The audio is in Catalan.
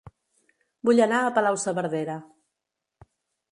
Vull anar a Palau-saverdera